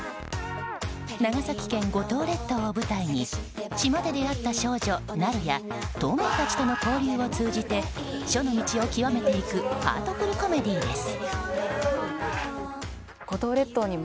長崎県五島列島を舞台に島で出会った少女なるや島民たちの交流を通じて書の道を極めていくハートフルコメディーです。